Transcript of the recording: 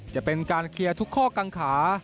จะเป็นการเคลียร์ทุกข้อกังขา